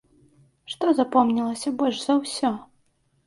Што запомнілася больш за ўсё?